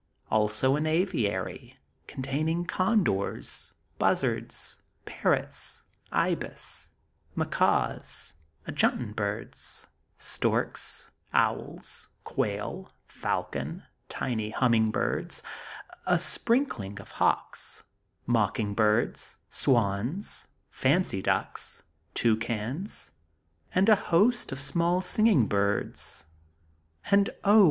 Also an aviary, containing condors, buzzards, parrots, ibis, macaws, adjutant birds, storks, owls, quail, falcons, tiny humming birds, a sprinkling of hawks, mocking birds, swans, fancy ducks, toucans; and a host of small singing birds; and oh!